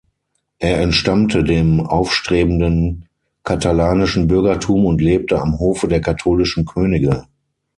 Er entstammte dem aufstrebenden katalanischen Bürgertum und lebte am Hofe der Katholischen Könige.